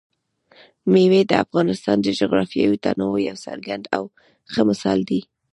مېوې د افغانستان د جغرافیوي تنوع یو څرګند او ښه مثال دی.